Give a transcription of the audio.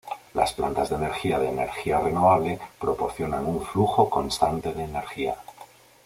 Las plantas de energía de energía renovable proporcionan un flujo constante de energía.